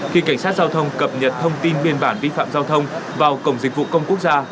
khi cảnh sát giao thông cập nhật thông tin biên bản vi phạm giao thông vào cổng dịch vụ công quốc gia